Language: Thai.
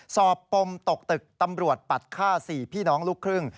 ปมตกตึกตำรวจปัดฆ่า๔พี่น้องลูกครึ่ง